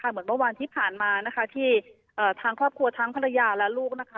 เหมือนเมื่อวานที่ผ่านมานะคะที่ทางครอบครัวทั้งภรรยาและลูกนะคะ